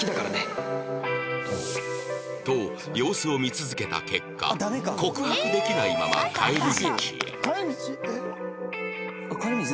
と様子を見続けた結果告白できないまま帰り道へ